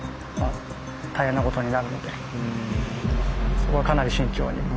そこはかなり慎重に。